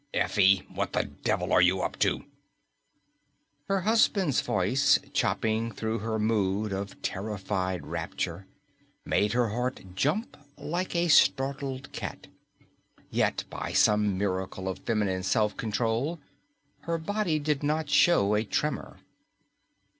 _ "Effie! What the devil are you up to?" Her husband's voice, chopping through her mood of terrified rapture, made her heart jump like a startled cat, yet by some miracle of feminine self control her body did not show a tremor.